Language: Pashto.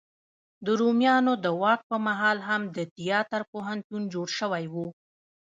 د روميانو د واک په مهال هم د تیاتر پوهنتون جوړ شوی و.